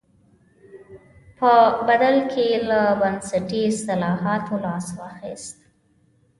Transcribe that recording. په بدل کې یې له بنسټي اصلاحاتو لاس واخیست.